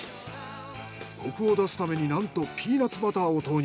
コクを出すためになんとピーナッツバターを投入。